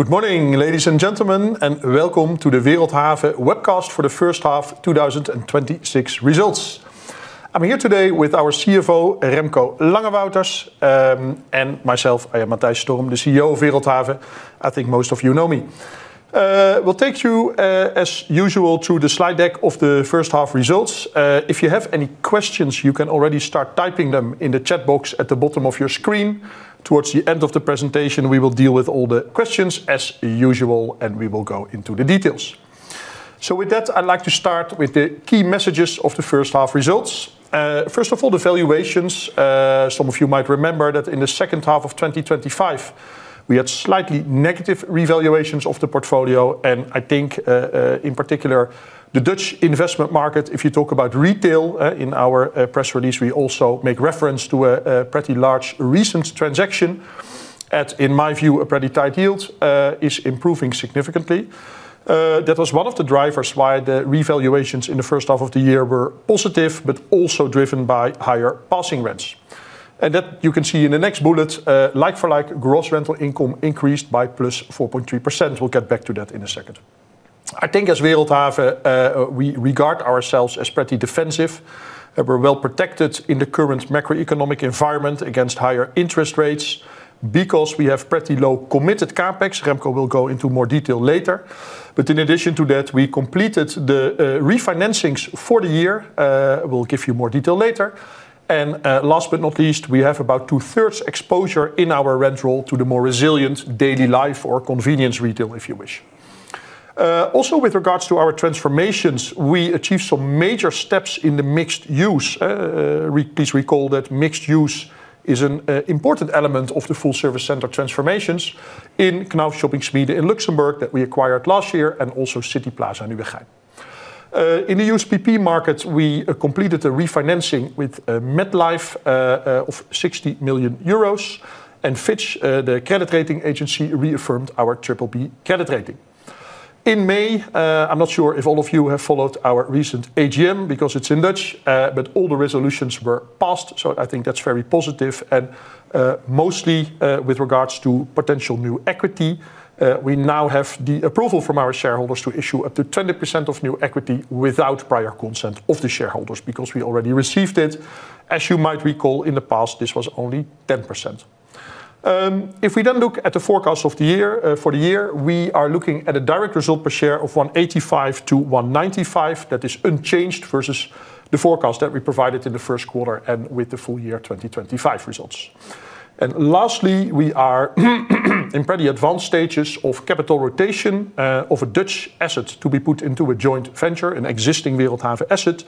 Good morning, ladies and gentlemen, and welcome to the Wereldhave webcast for the first half of 2026 results. I'm here today with our CFO, Remco Langewouters, and myself. I am Matthijs Storm, the CEO of Wereldhave. I think most of you know me. We'll take you, as usual, through the slide deck of the first half results. If you have any questions, you can already start typing them in the chat box at the bottom of your screen. Towards the end of the presentation, we will deal with all the questions as usual, and we will go into the details. With that, I'd like to start with the key messages of the first half results. First of all, the valuations. Some of you might remember that in the second half of 2025, we had slightly negative revaluations of the portfolio, and I think, in particular, the Dutch investment market. If you talk about retail, in our press release, we also make reference to a pretty large recent transaction at, in my view, a pretty tight yield, is improving significantly. That was one of the drivers why the revaluations in the first half of the year were positive, but also driven by higher passing rents. That you can see in the next bullet. Like-for-like gross rental income increased by +4.3%. We'll get back to that in a second. I think as Wereldhave, we regard ourselves as pretty defensive. We're well protected in the current macroeconomic environment against higher interest rates because we have pretty low committed CapEx. Remco will go into more detail later. In addition to that, we completed the refinancings for the year. We'll give you more detail later. Last but not least, we have about 2/3 exposure in our rent roll to the more resilient daily life or convenience retail if you wish. Also with regards to our transformations, we achieved some major steps in the mixed use. Please recall that mixed use is an important element of the Full Service Center transformations in Knauf Shopping Schmiede in Luxembourg that we acquired last year and also Cityplaza Nieuwegein. In the USPP markets, we completed a refinancing with MetLife of 60 million euros and Fitch, the credit rating agency, reaffirmed our BBB credit rating. In May, I'm not sure if all of you have followed our recent AGM because it's in Dutch, but all the resolutions were passed, so I think that's very positive. Mostly, with regards to potential new equity, we now have the approval from our shareholders to issue up to 20% of new equity without prior consent of the shareholders, because we already received it. As you might recall, in the past, this was only 10%. If we then look at the forecast for the year, we are looking at a direct result per share of 1.85-1.95. That is unchanged versus the forecast that we provided in the first quarter and with the full year 2025 results. Lastly, we are in pretty advanced stages of capital rotation of a Dutch asset to be put into a joint venture, an existing Wereldhave asset,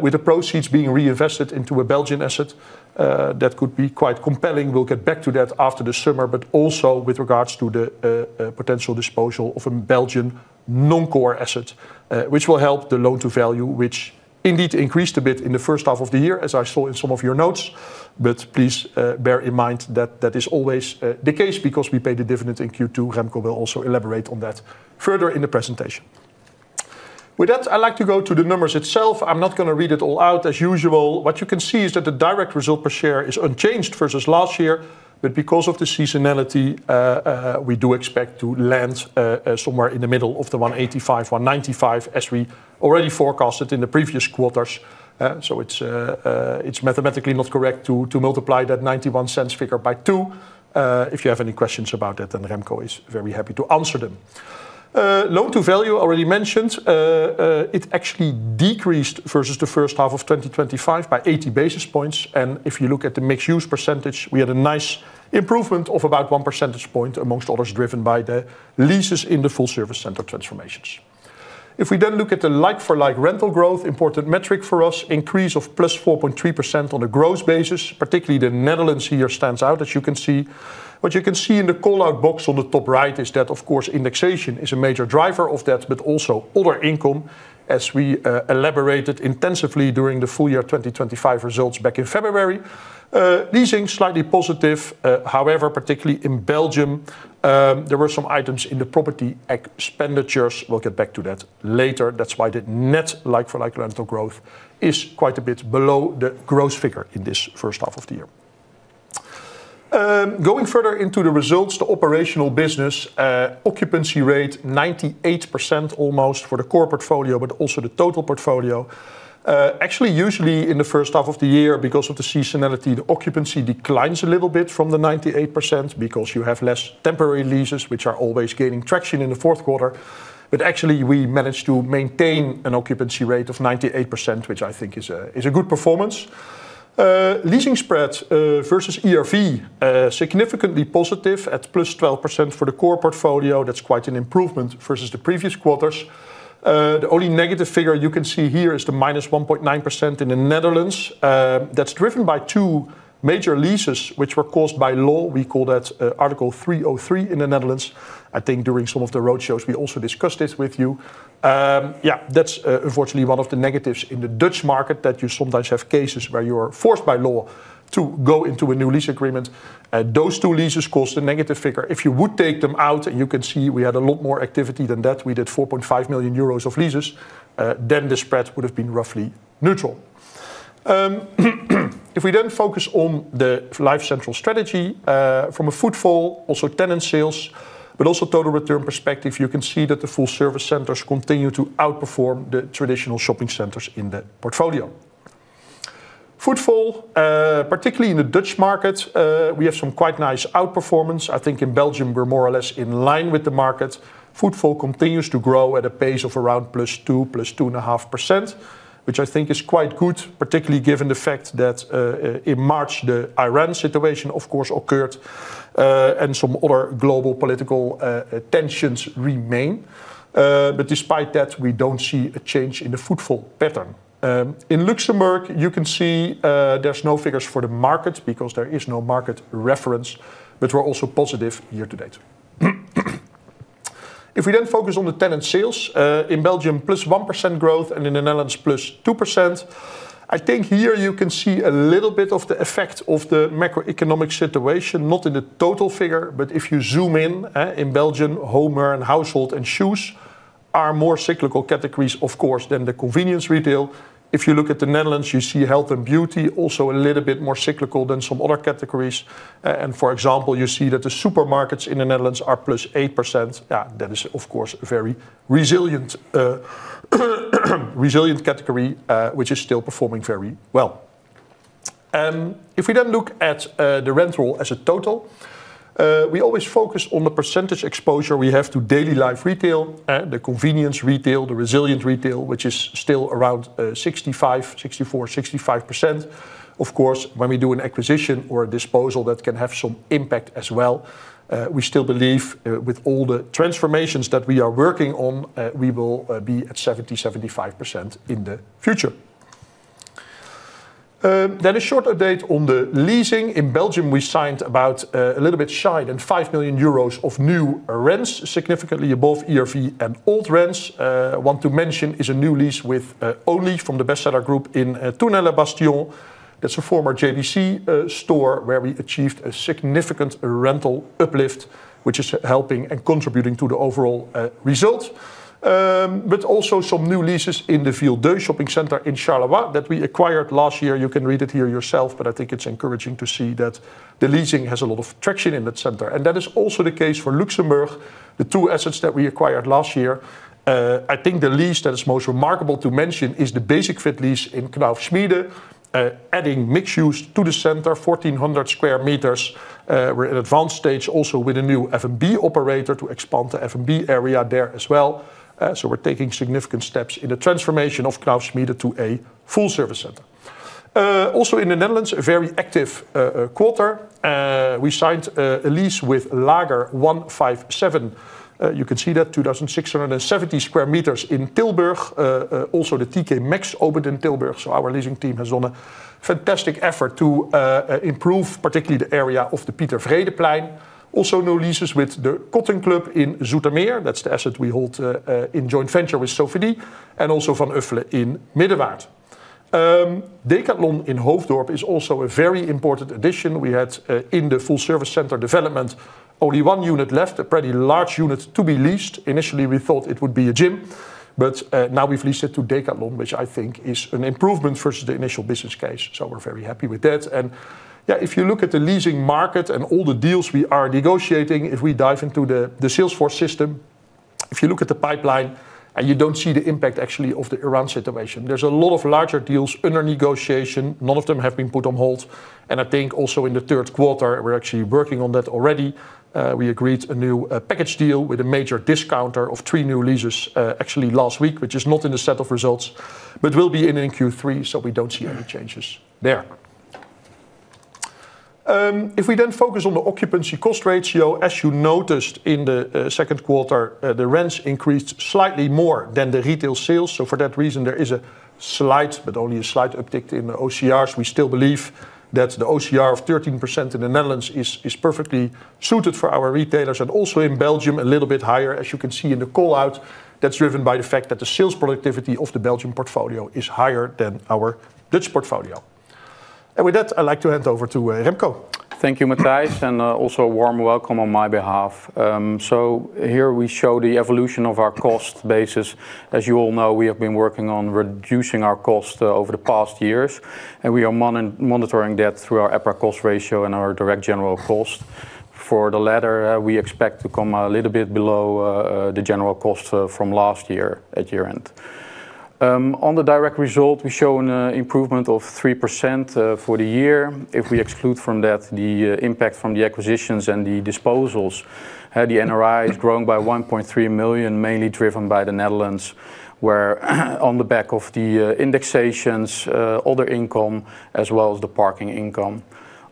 with the proceeds being reinvested into a Belgian asset. That could be quite compelling. We will get back to that after the summer, but also with regards to the potential disposal of a Belgian non-core asset, which will help the loan-to-value, which indeed increased a bit in the first half of the year, as I saw in some of your notes. Please bear in mind that is always the case because we pay the dividend in Q2. Remco will also elaborate on that further in the presentation. With that, I would like to go to the numbers itself. I am not going to read it all out as usual. What you can see is that the direct result per share is unchanged versus last year. Because of the seasonality, we do expect to land somewhere in the middle of the 1.85, 1.95 as we already forecasted in the previous quarters. It is mathematically not correct to multiply that 0.91 figure by two. If you have any questions about it, then Remco is very happy to answer them. Loan-to-value, already mentioned. It actually decreased versus the first half of 2025 by 80 basis points. If you look at the mixed-use percentage, we had a nice improvement of about 1 percentage point amongst others, driven by the leases in the Full Service Center transformations. If we then look at the like-for-like rental growth, important metric for us, increase of +4.3% on a gross basis, particularly the Netherlands here stands out as you can see. What you can see in the call-out box on the top right is that, of course, indexation is a major driver of that, but also other income as we elaborated intensively during the full year 2025 results back in February. Leasing slightly positive, however, particularly in Belgium, there were some items in the property expenditures. We will get back to that later. That is why the net like-for-like rental growth is quite a bit below the gross figure in this first half of the year. Going further into the results, the operational business, occupancy rate, almost 98% for the core portfolio, but also the total portfolio. Actually, usually in the first half of the year, because of the seasonality, the occupancy declines a little bit from the 98% because you have less temporary leases, which are always gaining traction in the fourth quarter. Actually, we managed to maintain an occupancy rate of 98%, which I think is a good performance. Leasing spreads versus ERV, significantly positive at +12% for the core portfolio. That is quite an improvement versus the previous quarters. The only negative figure you can see here is the -1.9% in the Netherlands. That is driven by two major leases which were caused by law. We call that Article 303 in the Netherlands. I think during some of the roadshows, we also discussed this with you. That is unfortunately one of the negatives in the Dutch market, that you sometimes have cases where you are forced by law to go into a new lease agreement. Those two leases cost a negative figure. If you would take them out, you can see we had a lot more activity than that. We did 4.5 million euros of leases. Then the spread would have been roughly neutral. If we then focus on the LifeCentral strategy from a footfall, also tenant sales, but also total return perspective, you can see that the Full Service Centers continue to outperform the traditional shopping centers in the portfolio. Footfall, particularly in the Dutch market, we have some quite nice outperformance. I think in Belgium we are more or less in line with the market. Footfall continues to grow at a pace of around +2%, +2.5%, which I think is quite good, particularly given the fact that, in March, the Iran situation, of course, occurred, and some other global political tensions remain. Despite that, we don't see a change in the footfall pattern. In Luxembourg, you can see there's no figures for the market because there is no market reference, but we're also positive year-to-date. We then focus on the tenant sales, in Belgium, +1% growth and in the Netherlands +2%. I think here you can see a little bit of the effect of the macroeconomic situation, not in the total figure. If you zoom in Belgium, home wear and household and shoes are more cyclical categories, of course, than the convenience retail. If you look at the Netherlands, you see health and beauty also a little bit more cyclical than some other categories. For example, you see that the supermarkets in the Netherlands are +8%. That is, of course, a very resilient category, which is still performing very well. We then look at the rent roll as a total, we always focus on the percentage exposure we have to daily life retail, the convenience retail, the resilient retail, which is still around 64%-65%. Of course, when we do an acquisition or a disposal, that can have some impact as well. We still believe with all the transformations that we are working on, we will be at 70%-75% in the future. A short update on the leasing. In Belgium, we signed about a little bit shy than 5 million euros of new rents, significantly above ERV and old rents. I want to mention is a new lease with ONLY from the Bestseller group in Tournai Les Bastions. That's a former JBC store where we achieved a significant rental uplift, which is helping and contributing to the overall result. Also some new leases in the Ville2 Shopping Center in Charleroi that we acquired last year. You can read it here yourself, but I think it's encouraging to see that the leasing has a lot of traction in that center. That is also the case for Luxembourg, the two assets that we acquired last year. I think the lease that is most remarkable to mention is the Basic-Fit lease in Knauf Schmiede, adding mixed use to the center, 1,400 sq m. We're in advanced stage also with a new F&B operator to expand the F&B area there as well. We're taking significant steps in the transformation of Knauf Schmiede to a Full Service Center. Also in the Netherlands, a very active quarter. We signed a lease with Lager 157. You can see that 2,670 sq m in Tilburg, also the TK Maxx opened in Tilburg. Our leasing team has done a fantastic effort to improve, particularly the area of the Pieter Vreedeplein. Also new leases with the Cotton Club in Zoetermeer. That's the asset we hold in joint venture with Sofidy and also Van Uffelen in Middenwaard. Decathlon in Hoofddorp is also a very important addition we had in the Full Service Center development. Only one unit left, a pretty large unit to be leased. Initially, we thought it would be a gym, but now we've leased it to Decathlon, which I think is an improvement versus the initial business case. We are very happy with that. If you look at the leasing market and all the deals we are negotiating, if we dive into the Salesforce system, if you look at the pipeline you don't see the impact actually of the Iran situation. There's a lot of larger deals under negotiation. None of them have been put on hold. I think also in the third quarter, we're actually working on that already. We agreed a new package deal with a major discounter of three new leases actually last week, which is not in the set of results but will be in Q3. We don't see any changes there. We then focus on the occupancy cost ratio, as you noticed in the second quarter, the rents increased slightly more than the retail sales. For that reason, there is a slight, but only a slight uptick in the OCRs. We still believe that the OCR of 13% in the Netherlands is perfectly suited for our retailers and also in Belgium a little bit higher. As you can see in the call-out, that's driven by the fact that the sales productivity of the Belgium portfolio is higher than our Dutch portfolio. With that, I'd like to hand over to Remco. Thank you, Matthijs, and also a warm welcome on my behalf. Here we show the evolution of our cost basis. As you all know, we have been working on reducing our cost over the past years, and we are monitoring that through our EPRA Cost Ratio and our direct general cost. For the latter, we expect to come a little bit below the general cost from last year at year-end. On the direct result, we show an improvement of 3% for the year. If we exclude from that the impact from the acquisitions and the disposals, the NRI is growing by 1.3 million, mainly driven by the Netherlands, where on the back of the indexations, other income, as well as the parking income.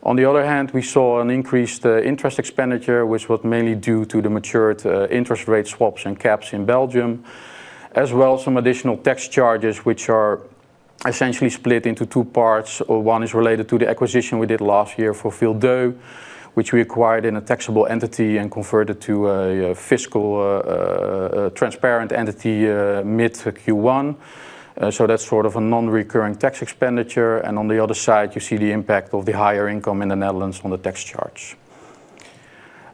We saw an increased interest expenditure, which was mainly due to the matured interest rate swaps and caps in Belgium, as well as some additional tax charges, which are essentially split into two parts. One is related to the acquisition we did last year for Ville2, which we acquired in a taxable entity and converted to a fiscal transparent entity mid Q1. That's sort of a non-recurring tax expenditure. On the other side, you see the impact of the higher income in the Netherlands on the tax charge.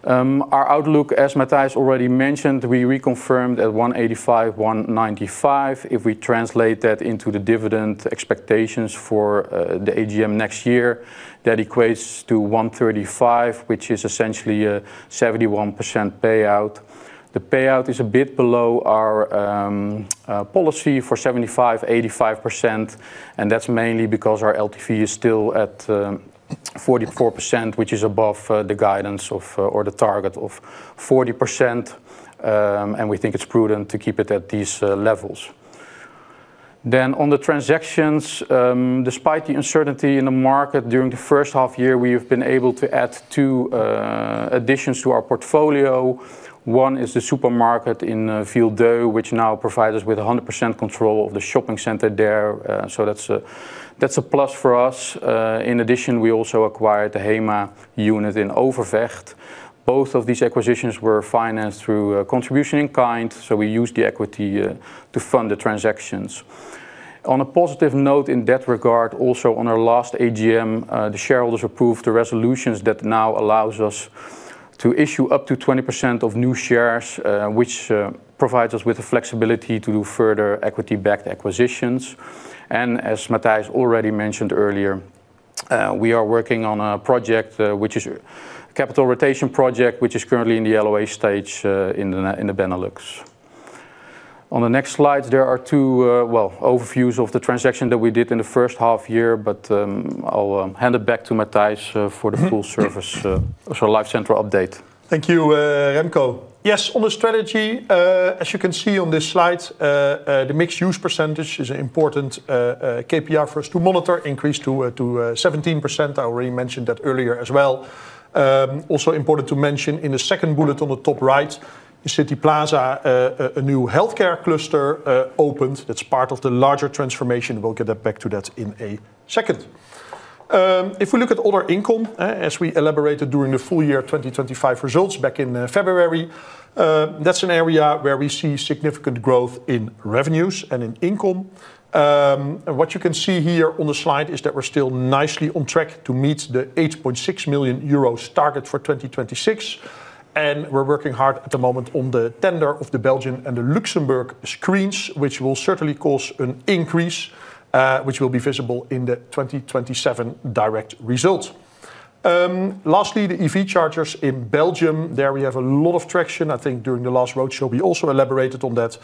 Our outlook, as Matthijs already mentioned, we reconfirmed at 1.85-1.95. If we translate that into the dividend expectations for the AGM next year, that equates to 1.35, which is essentially a 71% payout. The payout is a bit below our policy for 75%-85%, and that's mainly because our LTV is still at 44%, which is above the guidance or the target of 40%, and we think it's prudent to keep it at these levels. On the transactions, despite the uncertainty in the market during the first half year, we have been able to add two additions to our portfolio. One is the supermarket in Ville2, which now provides us with 100% control of the shopping center there. That's a plus for us. In addition, we also acquired the HEMA unit in Overvecht. Both of these acquisitions were financed through contribution in kind, so we used the equity to fund the transactions. On a positive note in that regard, also on our last AGM, the shareholders approved the resolutions that now allows us to issue up to 20% of new shares, which provides us with the flexibility to do further equity-backed acquisitions. As Matthijs already mentioned earlier, we are working on a capital rotation project, which is currently in the LOI stage in the Benelux. On the next slide, there are two overviews of the transaction that we did in the first half year, but I'll hand it back to Matthijs for the Full Service, LifeCentral update. Thank you, Remco. On the strategy, as you can see on this slide, the mixed-use percentage is an important KPI for us to monitor, increased to 17%. I already mentioned that earlier as well. Also important to mention in the second bullet on the top right, the Cityplaza, a new healthcare cluster opened that's part of the larger transformation. We'll get back to that in a second. If we look at other income, as we elaborated during the full year 2025 results back in February, that's an area where we see significant growth in revenues and in income. What you can see here on the slide is that we're still nicely on track to meet the 8.6 million euros target for 2026. We're working hard at the moment on the tender of the Belgian and the Luxembourg screens, which will certainly cause an increase, which will be visible in the 2027 direct result. Lastly, the EV chargers in Belgium. There we have a lot of traction. I think during the last roadshow, we also elaborated on that,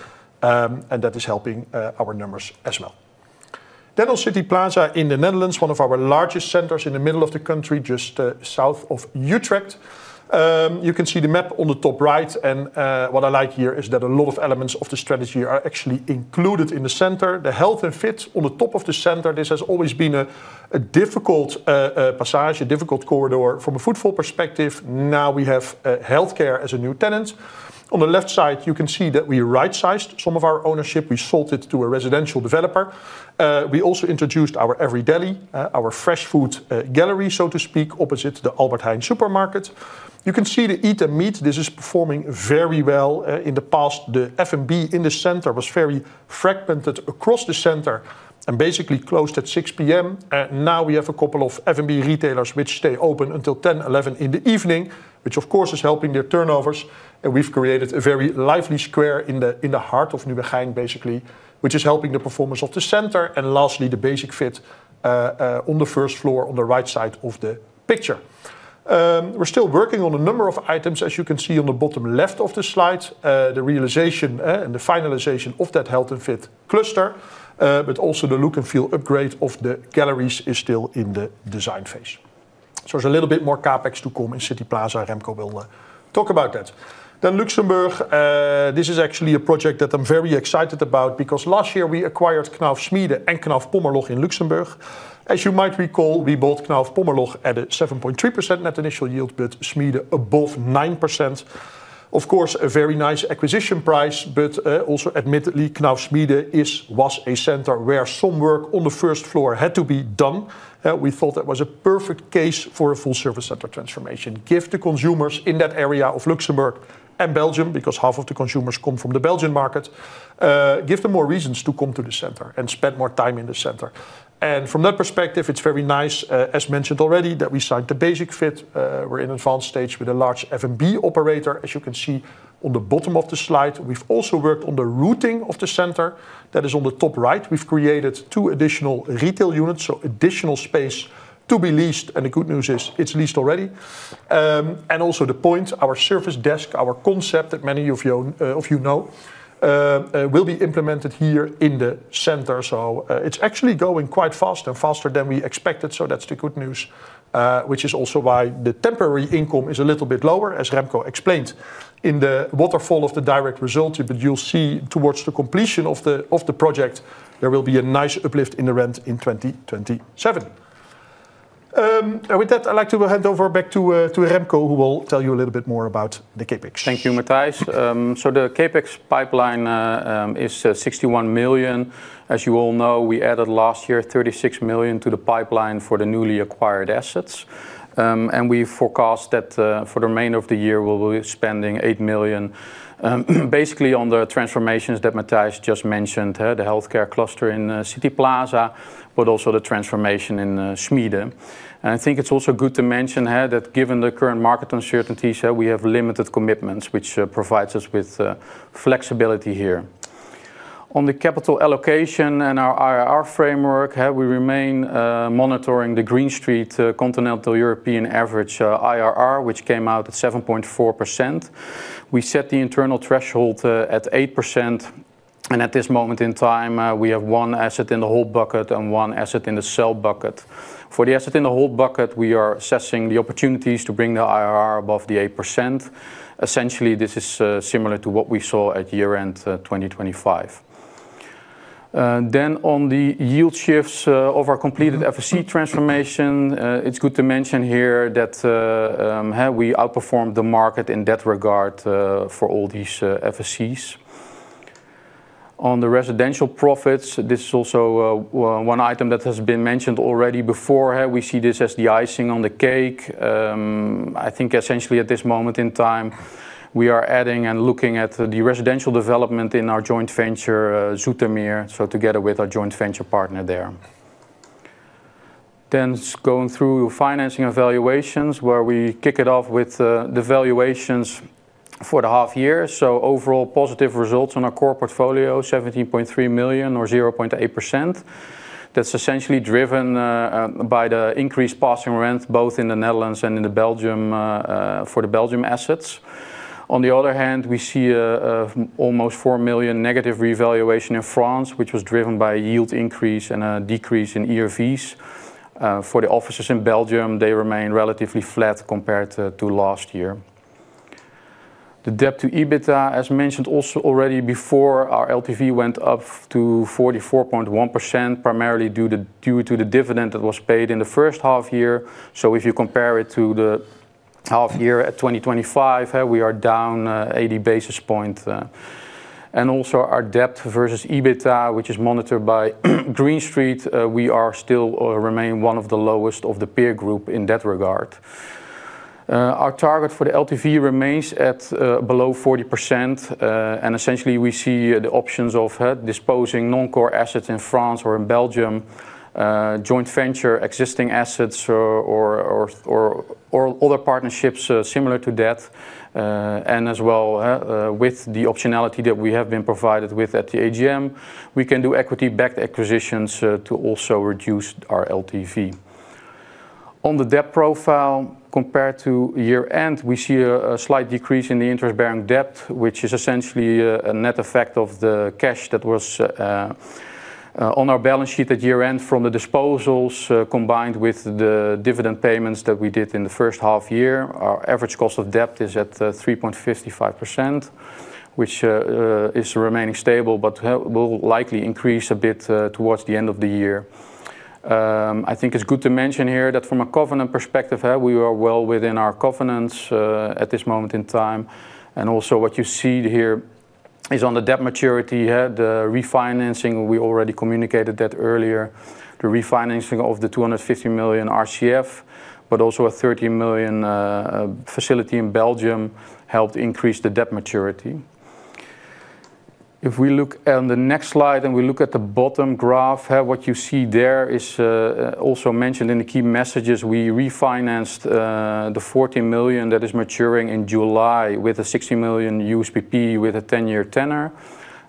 and that is helping our numbers as well. On Cityplaza in the Netherlands, one of our largest centers in the middle of the country, just south of Utrecht. You can see the map on the top right. What I like here is that a lot of elements of the strategy are actually included in the center. The health and fit on the top of the center. This has always been a difficult passage, a difficult corridor from a footfall perspective. Now we have healthcare as a new tenant. On the left side, you can see that we right-sized some of our ownership. We sold it to a residential developer. We also introduced our every.deli, our fresh food gallery, so to speak, opposite the Albert Heijn supermarket. You can see the eat and meet. This is performing very well. In the past, the F&B in the center was very fragmented across the center and basically closed at 6:00 P.M. Now we have a couple of F&B retailers which stay open until 10:00 P.M., 11:00 in the evening, which of course, is helping their turnovers. We've created a very lively square in the heart of Nieuwegein, basically, which is helping the performance of the center. Lastly, the Basic-Fit on the first floor on the right side of the picture. We're still working on a number of items, as you can see on the bottom left of the slide. The realization and the finalization of that health and fit cluster, but also the look and feel upgrade of the galleries is still in the design phase. There's a little bit more CapEx to come in Cityplaza. Remco will talk about that. Luxembourg, this is actually a project that I'm very excited about because last year we acquired Knauf Schmiede and Knauf Shopping Pommerloch in Luxembourg. As you might recall, we bought Knauf Shopping Pommerloch at a 7.3% net initial yield, but Knauf Schmiede above 9%. Of course, a very nice acquisition price, but also admittedly, Knauf Schmiede was a center where some work on the first floor had to be done. We thought that was a perfect case for a Full Service Center transformation. Give the consumers in that area of Luxembourg and Belgium, because half of the consumers come from the Belgian market, give them more reasons to come to the center and spend more time in the center. From that perspective, it's very nice, as mentioned already, that we signed the Basic-Fit. We're in an advanced stage with a large F&B operator, as you can see on the bottom of the slide. We've also worked on the routing of the center that is on the top right. We've created two additional retail units, so additional space to be leased, and the good news is it's leased already. Also The Point, our multi-service desk, our concept that many of you know will be implemented here in the center. It's actually going quite fast and faster than we expected, that's the good news, which is also why the temporary income is a little bit lower, as Remco explained. In the waterfall of the direct results, you'll see towards the completion of the project, there will be a nice uplift in the rent in 2027. With that, I'd like to hand over back to Remco, who will tell you a little bit more about the CapEx. Thank you, Matthijs. The CapEx pipeline is 61 million. As you all know, we added last year 36 million to the pipeline for the newly acquired assets. We forecast that for the remainder of the year, we will be spending 8 million basically on the transformations that Matthijs just mentioned, the healthcare cluster in Cityplaza, but also the transformation in Knauf Schmiede. I think it is also good to mention here that given the current market uncertainty here, we have limited commitments, which provides us with flexibility here. On the capital allocation and our IRR framework, we remain monitoring the Green Street continental European average IRR, which came out at 7.4%. We set the internal threshold at 8%, and at this moment in time, we have one asset in the hold bucket and one asset in the sell bucket. For the asset in the hold bucket, we are assessing the opportunities to bring the IRR above the 8%. Essentially, this is similar to what we saw at year-end 2025. On the yield shifts of our completed FSC transformation, it is good to mention here that we outperformed the market in that regard for all these FSCs. On the residential profits, this is also one item that has been mentioned already before. We see this as the icing on the cake. I think essentially at this moment in time, we are adding and looking at the residential development in our joint venture, Zoetermeer, so together with our joint venture partner there. Going through financing evaluations, where we kick it off with the valuations for the half year. Overall positive results on our core portfolio, 17.3 million or 0.8%. That is essentially driven by the increased passing rent, both in the Netherlands and for the Belgian assets. On the other hand, we see almost -4 million revaluation in France, which was driven by a yield increase and a decrease in ERVs. For the offices in Belgium, they remain relatively flat compared to last year. The debt to EBITDA, as mentioned also already before, our LTV went up to 44.1%, primarily due to the dividend that was paid in the first half year. If you compare it to the half year 2025, we are down 80 basis points. Also our debt versus EBITDA, which is monitored by Green Street, we still remain one of the lowest of the peer group in that regard. Our target for the LTV remains below 40%, and essentially, we see the options of disposing non-core assets in France or Belgium, joint venture existing assets or other partnerships similar to debt. As well, with the optionality that we have been provided with at the AGM, we can do equity-backed acquisitions to also reduce our LTV. On the debt profile, compared to year-end, we see a slight decrease in the interest-bearing debt, which is essentially a net effect of the cash that was on our balance sheet at year-end from the disposals, combined with the dividend payments that we did in the first half year. Our average cost of debt is at 3.55%, which is remaining stable but will likely increase a bit towards the end of the year. I think it's good to mention here that from a covenant perspective, we are well within our covenants at this moment in time. What you see here is on the debt maturity, the refinancing, we already communicated that earlier, the refinancing of the 250 million RCF, but also a 30 million facility in Belgium helped increase the debt maturity. If we look on the next slide and we look at the bottom graph, what you see there is also mentioned in the key messages. We refinanced the 40 million that is maturing in July with a $60 million USPP with a 10-year tenor.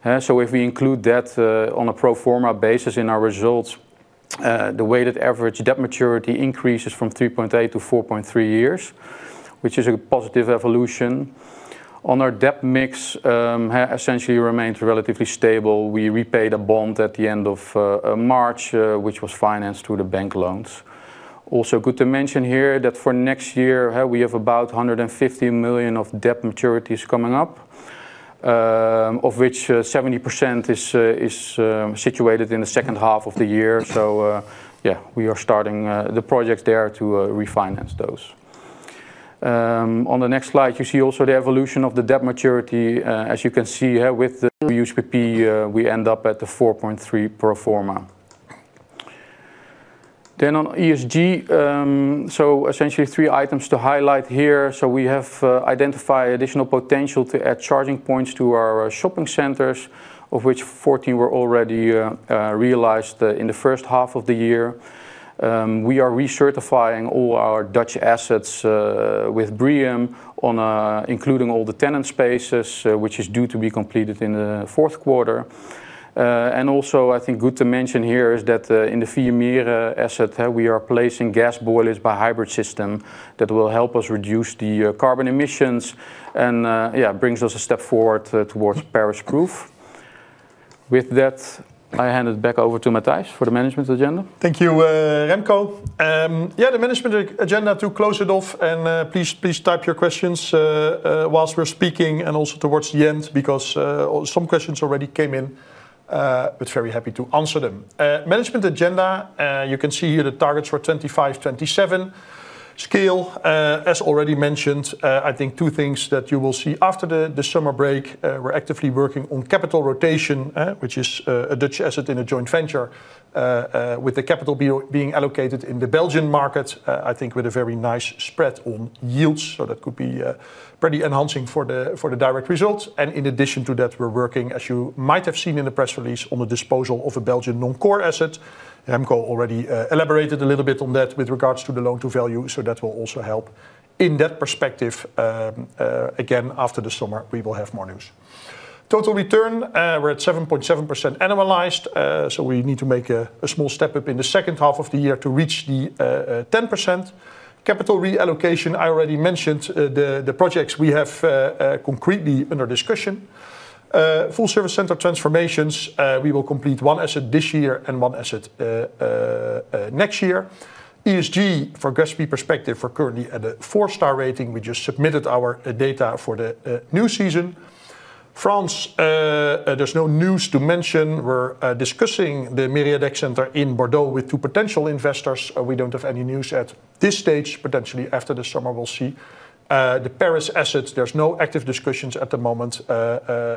If we include that on a pro forma basis in our results, the weighted average debt maturity increases from 3.8-4.3 years, which is a positive evolution. On our debt mix, essentially remains relatively stable. We repaid a bond at the end of March, which was financed through the bank loans. Good to mention here that for next year, we have about 150 million of debt maturities coming up, of which 70% is situated in the second half of the year. We are starting the projects there to refinance those. On the next slide, you see also the evolution of the debt maturity. As you can see, with the USPP, we end up at the 4.3 pro forma. Essentially three items to highlight here. We have identified additional potential to add charging points to our shopping centers, of which 14 were already realized in the first half of the year. We are recertifying all our Dutch assets, with BREEAM including all the tenant spaces, which is due to be completed in the fourth quarter. I think good to mention here is that in the Vier Meren asset, we are replacing gas boilers by hybrid system that will help us reduce the carbon emissions and brings us a step forward towards Paris Proof. With that, I hand it back over to Matthijs for the management agenda. Thank you, Remco. The management agenda to close it off, please type your questions while we're speaking and also towards the end because some questions already came in, but very happy to answer them. Management agenda, you can see here the targets for 2025, 2027. Scale, as already mentioned, I think two things that you will see after the summer break, we're actively working on capital rotation, which is a Dutch asset in a joint venture, with the capital being allocated in the Belgian market, I think with a very nice spread on yields. That could be pretty enhancing for the direct results. In addition to that, we're working, as you might have seen in the press release, on the disposal of a Belgian non-core asset. Remco already elaborated a little bit on that with regards to the loan-to-value. That will also help in that perspective, again, after the summer, we will have more news. Total return, we're at 7.7% annualized, we need to make a small step up in the second half of the year to reach the 10%. Capital reallocation, I already mentioned the projects we have concretely under discussion. Full Service Center transformations, we will complete one asset this year and one asset next year. ESG from GRESB perspective, we're currently at a four-star rating. We just submitted our data for the new season. France, there's no news to mention. We're discussing the Mériadeck center in Bordeaux with two potential investors. We don't have any news at this stage. Potentially, after the summer we'll see. The Paris asset, there's no active discussions at the moment.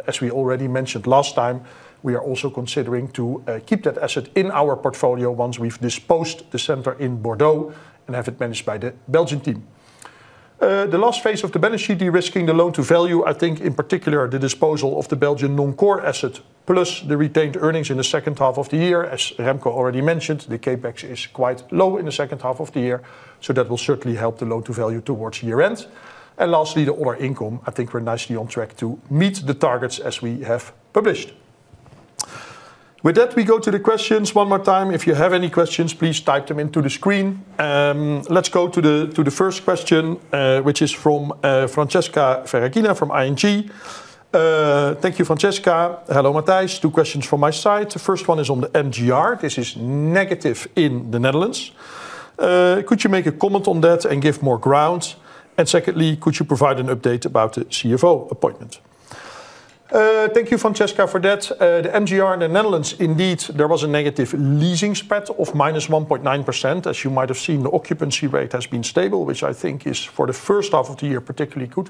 As we already mentioned last time, we are also considering to keep that asset in our portfolio once we've disposed the center in Bordeaux and have it managed by the Belgian team. The last phase of the balance sheet, de-risking the loan-to-value, I think in particular, the disposal of the Belgian non-core asset plus the retained earnings in the second half of the year. As Remco already mentioned, the CapEx is quite low in the second half of the year, that will certainly help the loan-to-value towards year-end. Lastly, the other income. I think we're nicely on track to meet the targets as we have published. With that, we go to the questions one more time. If you have any questions, please type them into the screen. Let's go to the first question, which is from Francesca Ferragina from ING. Thank you, Francesca. Hello, Matthijs. Two questions from my side. The first one is on the MGR. This is negative in the Netherlands. Could you make a comment on that and give more ground? Secondly, could you provide an update about the CFO appointment?" Thank you, Francesca, for that. The MGR in the Netherlands, indeed, there was a negative leasing spread of -1.9%. As you might have seen, the occupancy rate has been stable, which I think is, for the first half of the year, particularly good.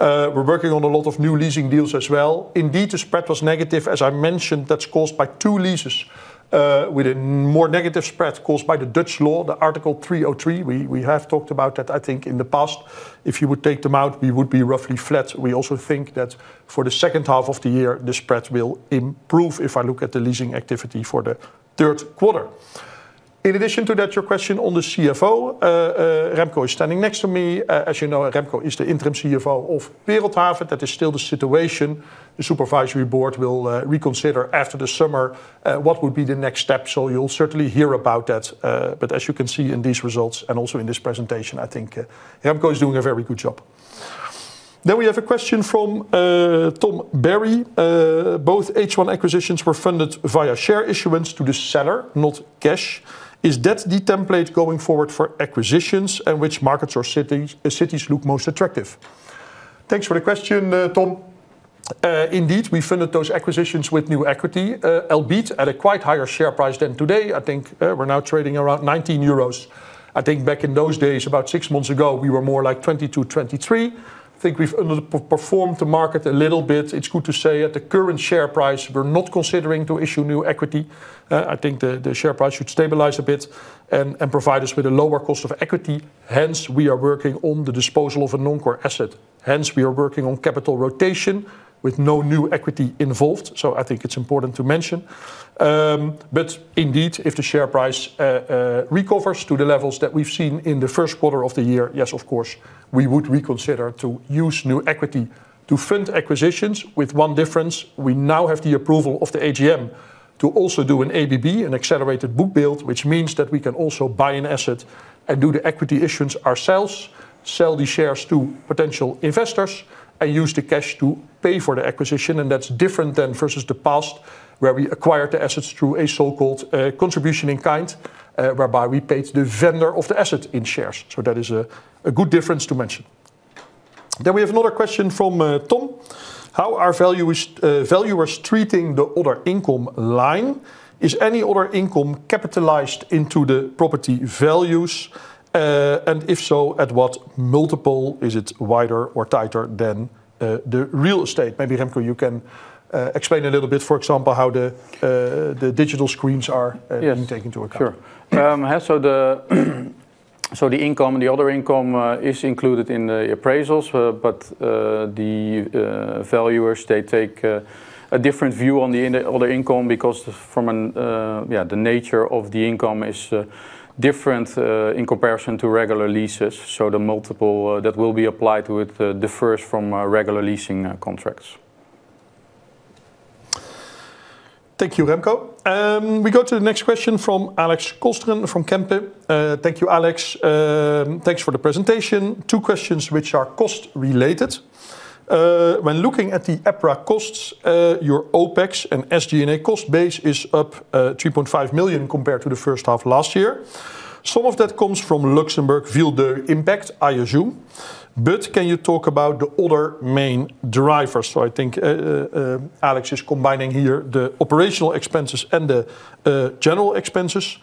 We're working on a lot of new leasing deals as well. Indeed, the spread was negative, as I mentioned, that's caused by two leases with a more negative spread caused by the Dutch law, the Article 303. We have talked about that, I think, in the past. If you would take them out, we would be roughly flat. We also think that for the second half of the year, the spread will improve if I look at the leasing activity for the third quarter. In addition to that, your question on the CFO, Remco is standing next to me. As you know, Remco is the interim CFO of Wereldhave. That is still the situation. The supervisory board will reconsider after the summer what would be the next step. You'll certainly hear about that. As you can see in these results and also in this presentation, I think Remco is doing a very good job. Then we have a question from [Tom Barry]. "Both H1 acquisitions were funded via share issuance to the seller, not cash. Is that the template going forward for acquisitions and which markets or cities look most attractive?" Thanks for the question, Tom. Indeed, we funded those acquisitions with new equity, albeit at a quite higher share price than today. I think we're now trading around 19 euros. I think back in those days, about six months ago, we were more like 22, 23. I think we've underperformed the market a little bit. It's good to say at the current share price, we're not considering to issue new equity. I think the share price should stabilize a bit and provide us with a lower cost of equity. Hence, we are working on the disposal of a non-core asset. Hence, we are working on capital rotation with no new equity involved. I think it's important to mention. Indeed, if the share price recovers to the levels that we've seen in the first quarter of the year, yes, of course, we would reconsider to use new equity to fund acquisitions with one difference. We now have the approval of the AGM to also do an ABB, an accelerated bookbuild, which means that we can also buy an asset and do the equity issuance ourselves, sell the shares to potential investors and use the cash to pay for the acquisition, and that's different than versus the past, where we acquired the assets through a so-called contribution in kind, whereby we paid the vendor of the asset in shares. That is a good difference to mention. We have another question from Tom. "How are valuers treating the other income line? Is any other income capitalized into the property values? And if so, at what multiple? Is it wider or tighter than the real estate?" Maybe, Remco, you can explain a little bit, for example, how the digital screens are- Yes. being taken into account. Sure. The income and the other income is included in the appraisals. The valuers, they take a different view on the other income because the nature of the income is different in comparison to regular leases. The multiple that will be applied to it differs from regular leasing contracts. Thank you, Remco. We go to the next question from Alex Kolsteren from Kempen & Co. Thank you, Alex. "Thanks for the presentation. Two questions which are cost related. When looking at the EPRA costs, your OpEx and SG&A cost base is up 3.5 million compared to the first half last year. Some of that comes from Luxembourg Ville2 impact, I assume. Can you talk about the other main drivers?" I think Alex is combining here the operational expenses and the general expenses.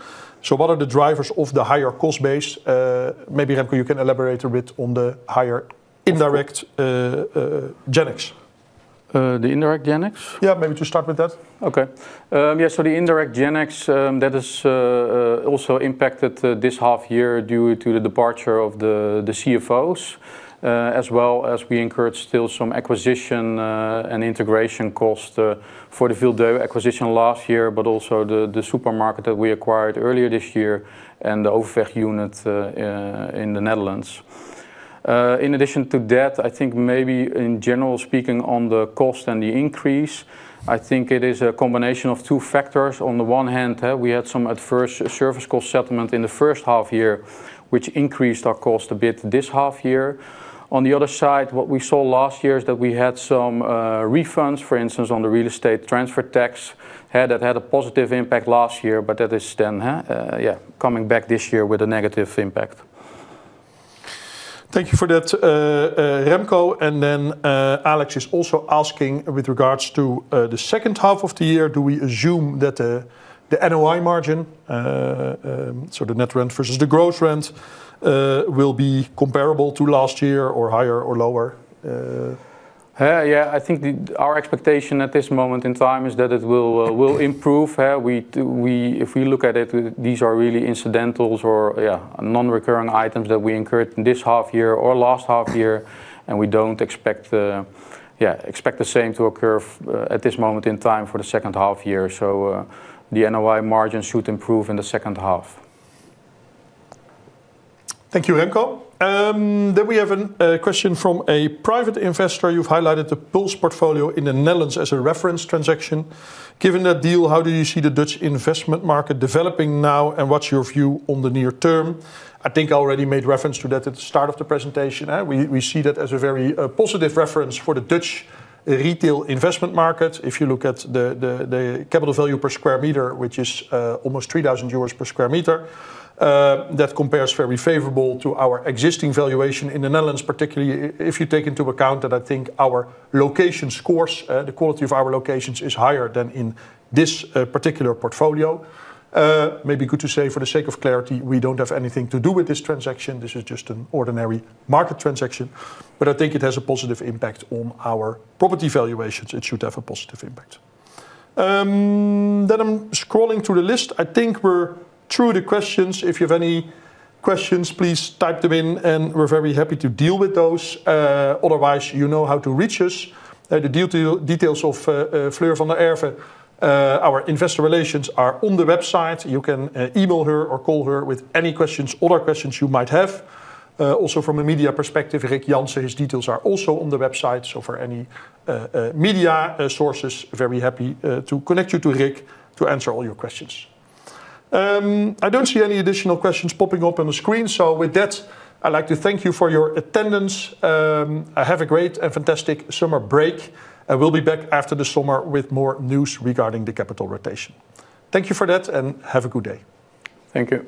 What are the drivers of the higher cost base? Maybe, Remco, you can elaborate a bit on the higher indirect G&A. The indirect G&A? Maybe just start with that. Okay. The indirect G&A, that has also impacted this half year due to the departure of the CFOs, as well as we incurred still some acquisition and integration cost for the Ville2 acquisition last year, also the supermarket that we acquired earlier this year and the Overvecht unit in the Netherlands. In addition to that, I think maybe in general, speaking on the cost and the increase, I think it is a combination of two factors. On the one hand, we had some adverse service cost settlement in the first half year, which increased our cost a bit this half year. On the other side, what we saw last year is that we had some refunds, for instance, on the real estate transfer tax. That had a positive impact last year, that is then coming back this year with a negative impact. Thank you for that, Remco. Then Alex is also asking with regards to the second half of the year, do we assume that the NOI margin, so the net rent versus the gross rent, will be comparable to last year or higher or lower? Yeah. I think our expectation at this moment in time is that it will improve. If we look at it, these are really incidentals or non-recurring items that we incurred in this half year or last half year, and we don't expect the same to occur at this moment in time for the second half year. The NOI margins should improve in the second half. Thank you, Remco. We have a question from a private investor. "You've highlighted the PULSE portfolio in the Netherlands as a reference transaction. Given that deal, how do you see the Dutch investment market developing now, and what's your view on the near term?" I think I already made reference to that at the start of the presentation. We see that as a very positive reference for the Dutch retail investment market. If you look at the capital value per square meter, which is almost 3,000 euros per sq m, that compares very favorable to our existing valuation in the Netherlands, particularly if you take into account that I think our location scores, the quality of our locations is higher than in this particular portfolio. Maybe good to say for the sake of clarity, we don't have anything to do with this transaction. This is just an ordinary market transaction, but I think it has a positive impact on our property valuations. It should have a positive impact. I'm scrolling through the list. I think we're through the questions. If you have any questions, please type them in and we're very happy to deal with those. Otherwise, you know how to reach us. The details of Fleur van der Erve, our Investor Relations, are on the website. You can email her or call her with any other questions you might have. Also from a media perspective, Rik Janssen, his details are also on the website. For any media sources, very happy to connect you to Rik to answer all your questions. I don't see any additional questions popping up on the screen. With that, I'd like to thank you for your attendance. Have a great and fantastic summer break, and we'll be back after the summer with more news regarding the capital rotation. Thank you for that and have a good day. Thank you.